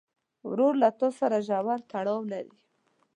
ورور له تا سره ژور تړاو لري.